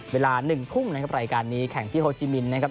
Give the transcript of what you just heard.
เวลา๑ทุ่มนะครับรายการนี้แข่งที่โฮจิมินนะครับ